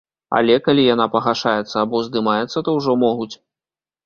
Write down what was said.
Але, калі яна пагашаецца або здымаецца, то ўжо могуць.